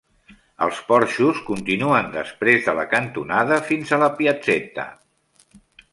Els porxos continuen després de la cantonada fins a la Piazzeta.